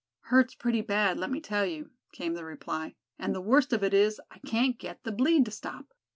"Hurts pretty bad, let me tell you," came the reply; "and the worst of it is, I can't get the bleed to stop.